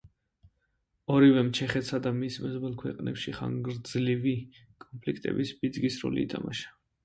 ორივემ ჩეხეთსა და მის მეზობელ ქვეყნებში ხანგრძლივი კონფლიქტების ბიძგის როლი ითამაშა.